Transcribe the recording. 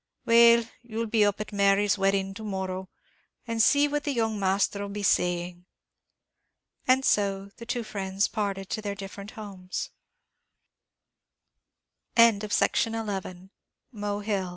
"Well, you'll be up at Mary's wedding to morrow, and see what the young masther 'll be saying." And so the two friends parted to their different homes. CHAPTER X.